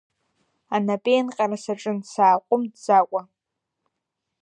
Анапеинҟьара саҿын сааҟәымҵӡакәа.